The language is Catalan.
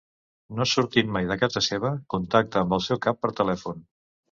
No sortint mai de casa seva, contacta amb el seu cap per telèfon.